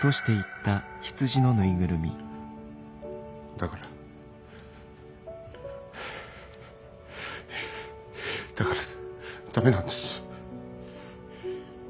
だからはあだからダメなんです。